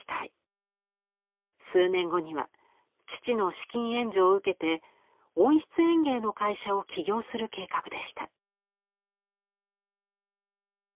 数年後には父の資金援助を受けて温室園芸の会社を起業する計画でした。